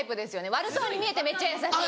悪そうに見えてめっちゃ優しい。